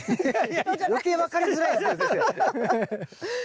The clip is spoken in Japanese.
余計分かりづらいですから先生。